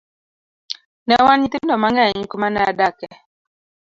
Ne wan nyithindo mang'eny kumane adake.